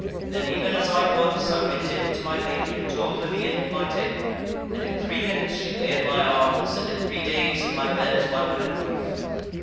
Then even as I was I went in to my Lady and told her the end of my tale, and in three minutes she lay in my arms, and in three days in my bed as my wedded wife.